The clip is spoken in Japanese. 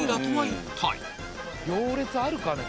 行列あるかね？